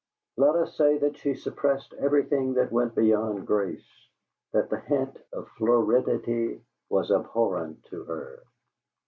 Let us say that she suppressed everything that went beyond grace; that the hint of floridity was abhorrent to her.